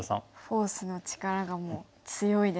フォースの力がもう強いですね。